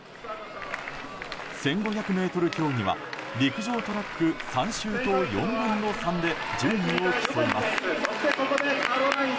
１５００ｍ競技は陸上トラック３周と４分の３で順位を競います。